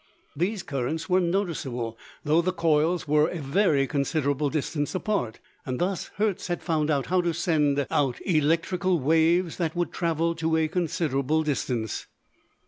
These currents were noticeable, though the coils were a very considerable distance apart. Thus Hertz had found out how to send out electrical waves that would travel to a considerable distance.